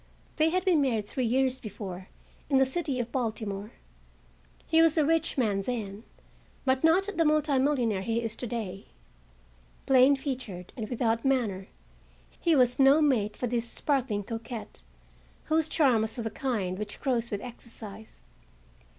They had been married three years before in the city of Baltimore. He was a rich man then, but not the multimillionaire he is to day. Plain featured and without manner, lie was no mate for this sparkling coquette, whose charm was of the kind which grows with exercise.